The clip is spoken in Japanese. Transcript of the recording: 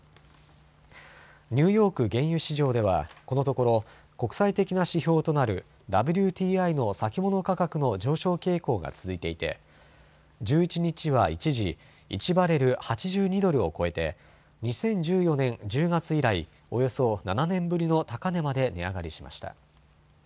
ニューヨーク原油市場ではこのところ国際的な指標となるＷＴＩの先物価格の上昇傾向が続いていて１１日は一時、１バレル８２ドルを超えて２０１４年１０月以来およそ７年ぶりの高値まで値上がりしました。